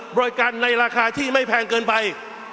บริการในราคาที่ไม่แพงเกินไป